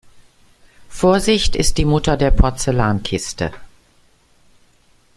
Vorsicht ist die Mutter der Porzellankiste.